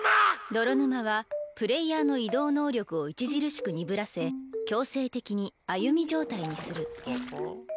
泥沼はプレイヤーの移動能力を著しく鈍らせ強制的に歩み状態にするゲコッ？